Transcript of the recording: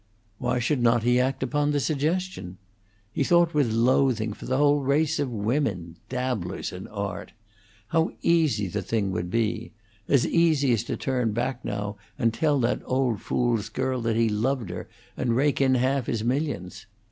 Why should not he act upon the suggestion? He thought with loathing for the whole race of women dabblers in art. How easy the thing would be: as easy as to turn back now and tell that old fool's girl that he loved her, and rake in half his millions.